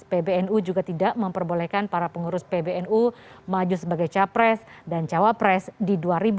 pbnu juga tidak memperbolehkan para pengurus pbnu maju sebagai capres dan cawapres di dua ribu dua puluh